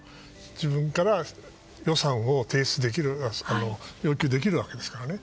自分から予算を要求できるわけですからね。